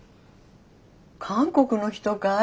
韓国の人かい？